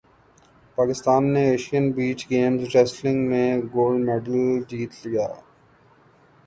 پاکستان نےایشئین beach games wrestling میں gold medal جیت لیا